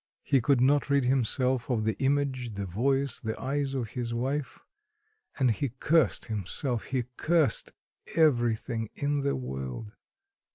He could not rid himself of the image, the voice, the eyes of his wife... and he cursed himself, he cursed everything in the world.